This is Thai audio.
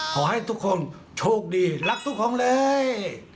ขอให้ทุกคนโชคดีรักทุกคนเลย